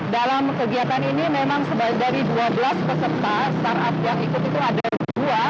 dalam kegiatan ini memang dari dua belas peserta startup yang ikut itu ada dua